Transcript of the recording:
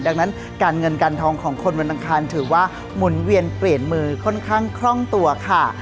ดังนั้นการเงินการทองของคนวันอังคารถือว่าหมุนเวียนเปลี่ยนมือค่อนข้างคล่องตัวค่ะ